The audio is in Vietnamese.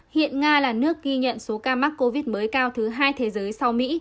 hiện nga là nước ghi nhận số ca mắc covid mới cao thứ hai thế giới sau mỹ